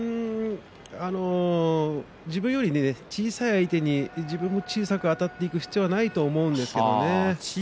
自分より小さい相手に自分も小さくあたっていく必要はないと思うんですよね。